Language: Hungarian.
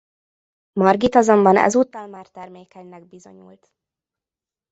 Margit azonban ezúttal már termékenynek bizonyult.